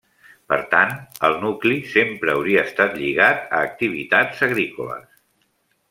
Per tant, el nucli sempre hauria estat lligat a activitats agrícoles.